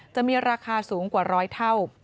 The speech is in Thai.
จะมีราคาสูงกว่าร้อยเท่า